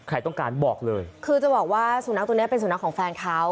ใครต้องการบอกเลยคือจะบอกว่าสุนัขตัวเนี้ยเป็นสุนัขของแฟนเขา